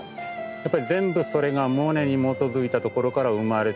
やっぱり全部それがモネに基づいたところから生まれてきてる。